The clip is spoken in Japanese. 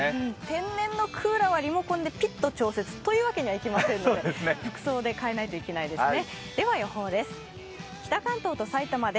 天然のクーラーはリモコンでピッと調節というわけにはいかないので服装で変えないといけないですね。